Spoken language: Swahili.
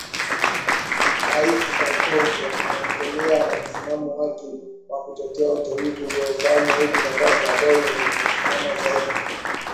rais sarkozy ameendelea na msimamo wake wakutetea uteuzi alioufanya huku nafasi ambayo imesimamia zaidi